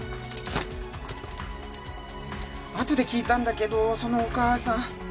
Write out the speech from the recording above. あとで聞いたんだけどそのお母さん。